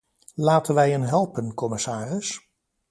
Laten wij hen helpen, commissaris.